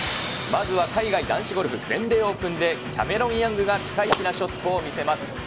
まずは海外男子ゴルフ全米オープンで、キャメロン・ヤングがピカイチなショットを見せます。